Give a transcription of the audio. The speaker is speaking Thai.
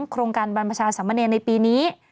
โครงการบรรพชาสามเนรในปีนี้